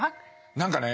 何かね